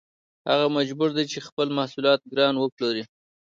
هغه مجبور دی چې خپل محصولات ګران وپلوري